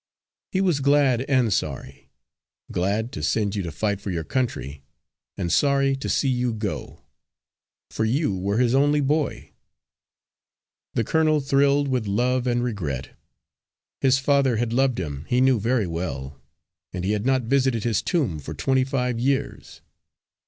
He was glad and sorry glad to send you to fight for your country, and sorry to see you go for you were his only boy." The colonel thrilled with love and regret. His father had loved him, he knew very well, and he had not visited his tomb for twenty five years.